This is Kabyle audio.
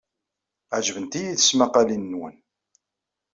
Ɛejbent-iyi tesmaqqalin-nwen.